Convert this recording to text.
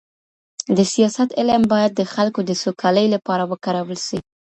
د سیاست علم باید د خلکو د سوکالۍ لپاره وکارول سي.